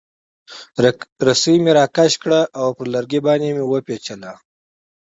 رسۍ مې راکش کړه او پر لرګي باندې مې را وپیچله.